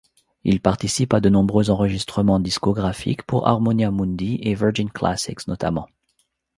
Il participe à de nombreux enregistrements discographiques pour Harmonia Mundi et Virgin Classics notamment.